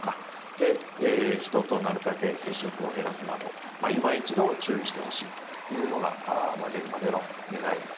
で、人となるたけ接触を減らすなど、いま一度注意してほしいというのが現場での願いです。